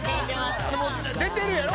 出てるやろ？